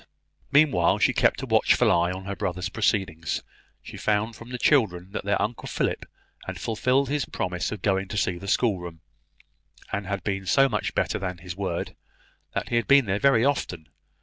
Meanwhile she kept a watchful eye on her brother's proceedings. She found from the children that their Uncle Philip had fulfilled his promise of going to see the schoolroom, and had been so much better than his word, that he had been there very often.